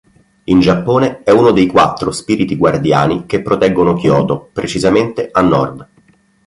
In Giappone, è uno dei quattro spiriti guardiani che proteggono Kyoto, precisamente a nord.